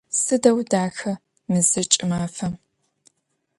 Sıdeu daxa mezır ç'ımafem!